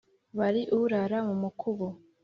bari urarara mu mukubo